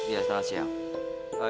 ya selamat siang